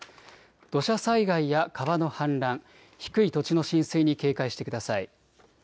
土砂災害や川の氾濫、低い土地の浸水に警戒してください。